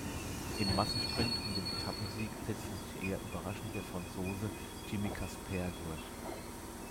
Im Massensprint um den Etappensieg setzte sich eher überraschend der Franzose Jimmy Casper durch.